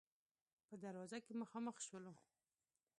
په دروازه کې مخامخ شولو.